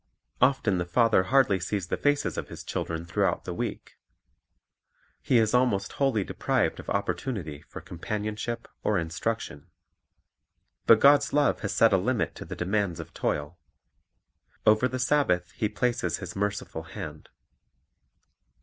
Often the father hardly sees the faces of his children throughout the week. He is almost wholly deprived of opportu nity for companionship or instruction. But God's love has set a limit to the demands of toil. Over the Sab bath He places His merciful hand.